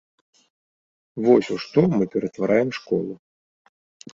Вось у што мы ператвараем школу.